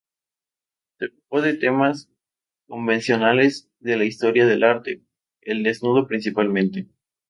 Se ocupó de temas convencionales de la historia del arte, el desnudo principalmente.